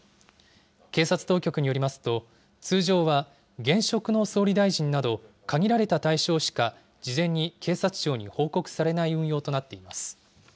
警察当局によりますと、通常は現職の総理大臣など、限られた対象しか事前に警察庁に報告されない運用となっています。